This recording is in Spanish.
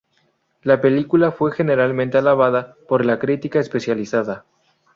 La película fue generalmente alabada por la crítica especializada.